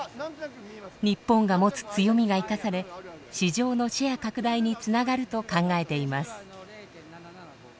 日本が持つ強みが生かされ市場のシェア拡大につながると考えています。